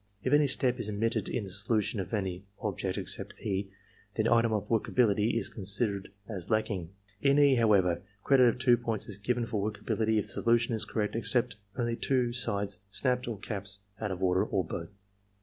If any step is omitted in the solution of any object except E, then item of "workability" is consid ered as lacking. In E, however, credit of 2 points is given for workability if the solution is correct except only 2 sides snapped or caps out of order, or both.